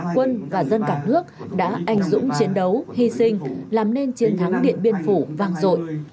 quân và dân cả nước đã anh dũng chiến đấu hy sinh làm nên chiến thắng điện biên phủ vang rội